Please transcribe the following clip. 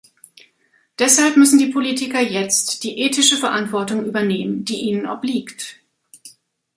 Deshalb müssen die Politiker jetzt die ethische Verantwortung übernehmen, die ihnen obliegt.